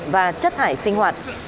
và chất thải sinh hoạt